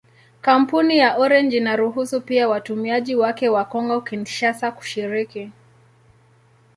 Kampuni ya Orange inaruhusu pia watumiaji wake wa Kongo-Kinshasa kushiriki.